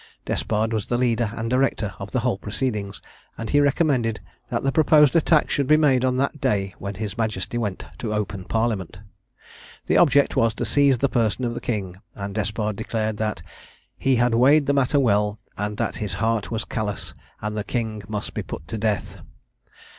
Despard was the leader and director of the whole proceedings; and he recommended that the proposed attack should be made on that day when his Majesty went to open Parliament. The object was to seize the person of the King; and Despard declared that "he had weighed the matter well, and that his heart was callous, and the King must be put to death."